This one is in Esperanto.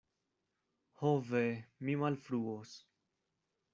Ho, ve! mi malfruos!